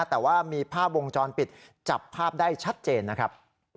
แต่ว่ามีภาพวงจรปิดจับภาพได้ชัดเจนนะครับ